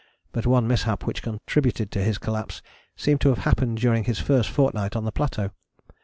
But one mishap which contributed to his collapse seems to have happened during this first fortnight on the plateau.